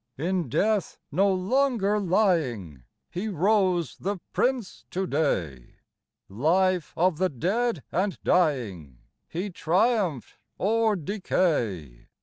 In death no longer lying, • He rose the Prince to day : Life of the dead and dying, He triumphed o'er decay.